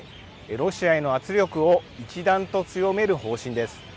ロシアへの圧力を一段と強める方針です。